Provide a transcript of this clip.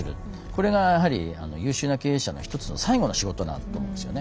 これがやはり優秀な経営者の一つの最後の仕事なんだと思うんですよね。